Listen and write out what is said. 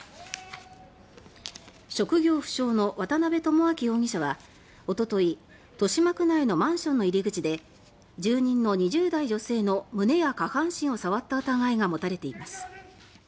職業不詳の渡辺智朗容疑者はおととい豊島区内のマンションの入り口で住人の２０代の女性の胸や下半身を触った疑いが持たれています。